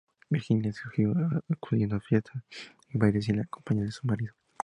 Virginia siguió acudiendo a fiestas y bailes, sin la compañía de su marido.